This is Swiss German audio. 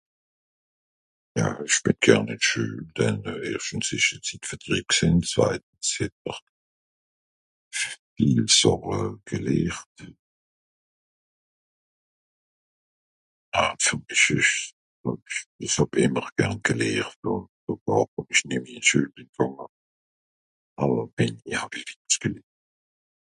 ja isch bìn gern ìn d'scheul denn euh erstens de zit ... gsìn zwaits het mr viel sàche gelehrt a ver mìsch esch esch hàb ìmmer gen gelehrt ... sogàr won'isch nemmi ìn d'schuel gegànge àwer...